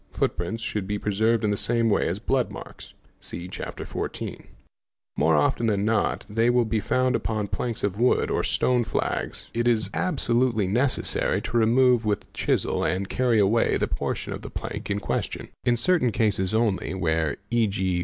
Footprints should be preserved in the same way as blood marks. See Chapter XIV. } More often than not they will be found upon planks of wood or stone os P 500 FOOTPRINTS flags. It is absolutely necessary to remove with the chisel and carry away the portion of the plank in question. In certain cases only, where, e.g.